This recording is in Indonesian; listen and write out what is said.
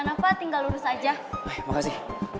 sampai jumpa di video selanjutnya